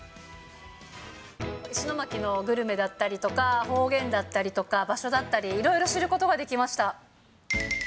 石巻のグルメだったりとか、方言だったりとか、場所だったり、いろいろ知ることができました。